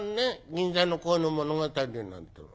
『銀座の恋の物語』なんていうの。